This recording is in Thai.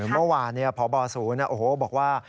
เมื่อวานพบศูนย์บอกว่า